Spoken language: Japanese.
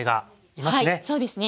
はいそうですね。